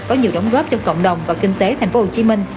có nhiều đóng góp cho cộng đồng và kinh tế tp hcm